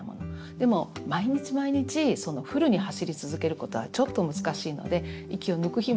でも毎日毎日フルに走り続けることはちょっと難しいので息を抜く日もありますよね。